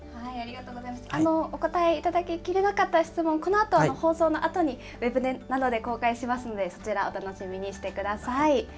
お応えいただけきれなかった質問、このあと、放送のあとにウェブなどで公開しますので、そちら、お楽しみにしてください。